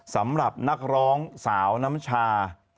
สำหรับนักร้องสาวน้ำชา